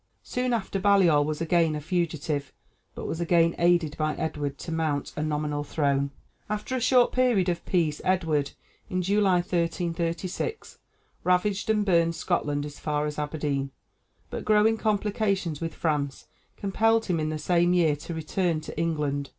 Soon after, Baliol was again a fugitive, but was again aided by Edward to mount a nominal throne. After a short period of peace Edward, in July, 1336, ravaged and burned Scotland as far as Aberdeen, but growing complications with France compelled him in the same year to return to England.